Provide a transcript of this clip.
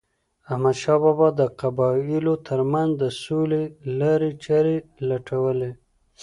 احمدشاه بابا د قبایلو ترمنځ د سولې لارې چارې لټولې.